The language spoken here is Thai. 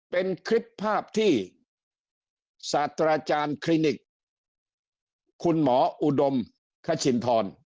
เป็นคลิปภาพที่ศาสตราจารย์คลินิกคุณหมออุดมคชินทร